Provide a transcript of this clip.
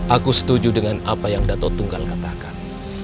aku setuju dengan apa yang dato tunggal katakan